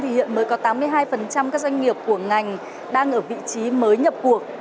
hiện mới có tám mươi hai các doanh nghiệp của ngành đang ở vị trí mới nhập cuộc